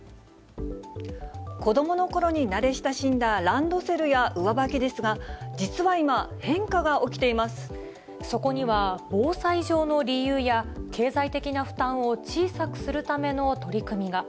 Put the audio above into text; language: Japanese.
子どものころに慣れ親しんだランドセルや上履きですが、実は今、そこには防災上の理由や、経済的な負担を小さくするための取り組みが。